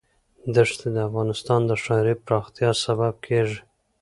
دښتې د افغانستان د ښاري پراختیا سبب کېږي.